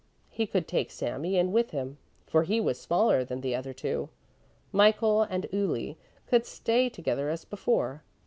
He could take Sami in with him, for he was smaller than the other two; Michael and Uli could stay together as before.